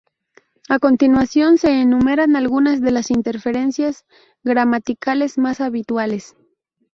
A continuación se enumeran algunas de las interferencias gramaticales más habituales.